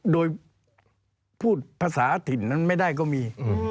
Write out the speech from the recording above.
โดยพูดภาษาถิ่นนั้นไม่ได้ก็มี